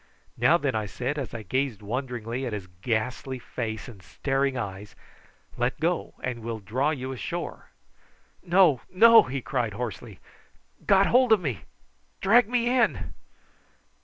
"Now, then," I said, as I gazed wonderingly in his ghastly face and staring eyes, "let go, and we'll draw you ashore." "No, no," he cried hoarsely. "Got hold of me drag me in."